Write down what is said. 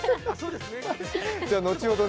後ほど